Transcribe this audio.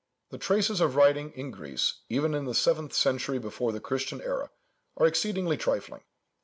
The traces of writing in Greece, even in the seventh century before the Christian æra, are exceedingly trifling.